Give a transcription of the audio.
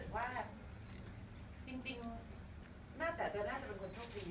พี่ทาแต่บ้านอ่ะพี่แป่งมาให้มันมัน